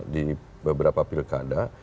di beberapa pilkada